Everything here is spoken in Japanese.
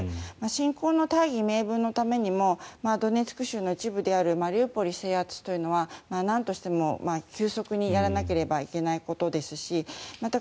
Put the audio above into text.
侵攻の大義名分のためにもドネツク州の一部であるマリウポリ制圧というのはなんとしても急速にやらなければいけないことですしまた